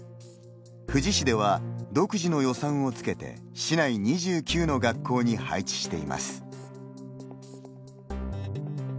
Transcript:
富士市では、独自の予算をつけて市内２９の学校に配置しています。